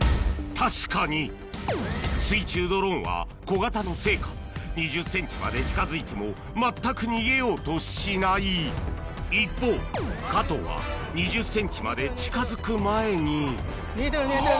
確かに水中ドローンは小型のせいか２０ｃｍまで近づいても全く逃げようとしない一方加藤は２０ｃｍまで近づく前に逃げてる逃げてる。